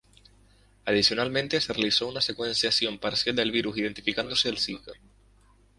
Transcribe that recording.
Adicionalmente se realizó una secuenciación parcial del virus identificándose el zika.